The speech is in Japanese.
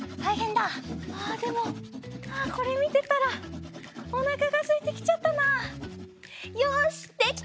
あでもこれみてたらおなかがすいてきちゃったなあ。よしできた！